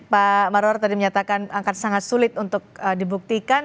pak marwar tadi menyatakan akan sangat sulit untuk dibuktikan